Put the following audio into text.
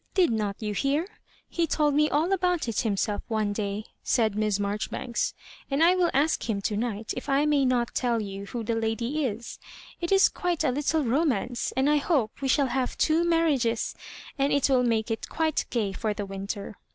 Did not you hear ? He told me all about it himself one day,'* said Miss Marjoribanks ;*• and I will ask him to night if I may not tell you who the lady is. It is quite a little romance, and I hope we shall have two marriages, and it will make it quite gay for the winter.